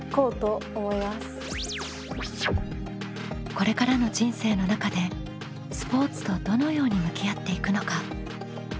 これからの人生の中でスポーツとどのように向き合っていくのか。